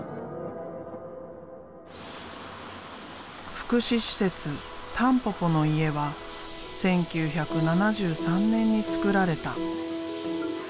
福祉施設「たんぽぽの家」は１９７３年につくられた。